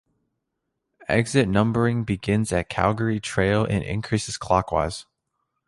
Exit numbering begins at Calgary Trail and increases clockwise.